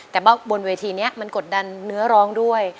แต่ว่าบนเวทีนี้มันกดดันเนื้อร้องด้วย